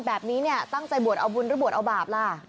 แบบนี้ตั้งจัยบวชเอาบุญหรือบวชเอาบาบล่ะ